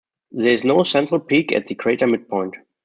There is no central peak at the crater midpoint.